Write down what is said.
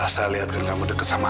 saya lihat kan kamu deket sama aminah